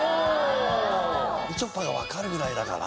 みちょぱがわかるぐらいだから。